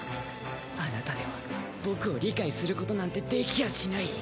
あなたでは僕を理解することなんてできやしない。